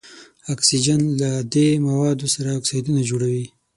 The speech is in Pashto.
اکسیجن له دې موادو سره اکسایدونه جوړوي.